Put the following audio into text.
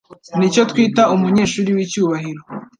Nicyo twita umunyeshuri wicyubahiro